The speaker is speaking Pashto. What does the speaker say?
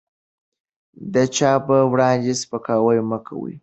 د چا په وړاندې سپکاوی مه کوئ.